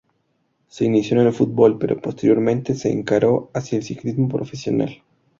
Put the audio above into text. Se inició en el fútbol, pero posteriormente se encaró hacia el ciclismo profesional.